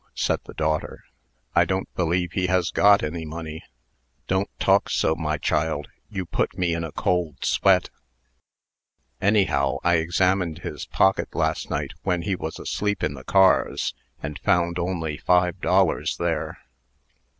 said the daughter; "I don't believe he has got any money." "Don't talk so, my child. You put me in a cold sweat." "Anyhow, I examined his pocket, last night, when he was asleep in the cars, and found only five dollars there."